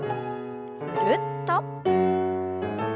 ぐるっと。